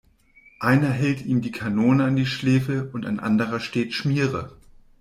Einer hält ihm die Kanone an die Schläfe und ein anderer steht Schmiere.